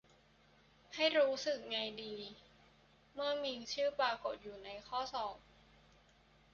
ให้รู้สึกไงดี เมื่อมีชื่อปรากฎอยู่ในข้อสอบ